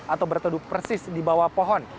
atau bertuduh persis di bawah pohon